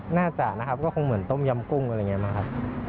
หลังจากต้มยำกุ้งไปอยู่บ้านลาว